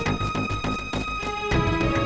ada apa ya bu